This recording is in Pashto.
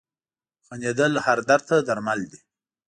• خندېدل هر درد ته درمل دي.